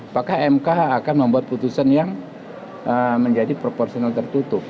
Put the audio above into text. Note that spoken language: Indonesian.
maka mk akan membuat putusan yang menjadi proporsional tertutup